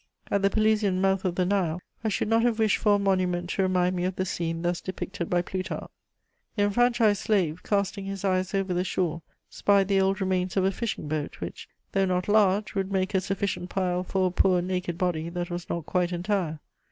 At the Pelusian mouth of the Nile, I should not have wished fora monument to remind me of the scene thus depicted by Plutarch: "The enfranchised slave, casting his eyes over the shore, spied the old remains of a fishing boat, which, though not large, would make a sufficient pile for a poor naked body that was not quite entire.